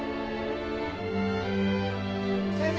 先生。